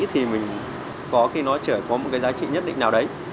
thì mình có khi nó chưa có một cái giá trị nhất định nào đấy